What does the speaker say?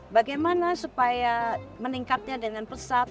bagaimana supaya meningkatnya dengan pesat